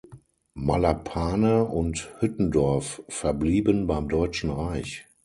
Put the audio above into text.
Malapane und Hüttendorf verblieben beim Deutschen Reich.